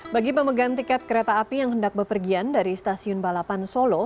bagi pemegang tiket kereta api yang hendak bepergian dari stasiun balapan solo